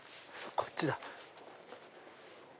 こっちだ。